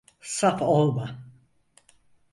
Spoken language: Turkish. Saf olma.